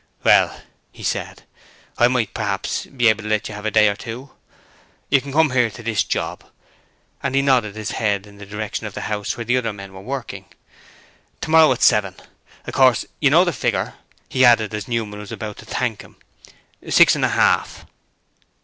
'Well,' said he, 'I might perhaps be able to let you have a day or two. You can come here to this job,' and he nodded his head in the direction of the house where the men were working. 'Tomorrow at seven. Of course you know the figure?' he added as Newman was about to thank him. 'Six and a half.'